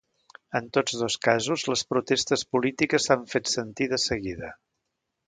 En tots dos casos les protestes polítiques s’han fet sentir de seguida.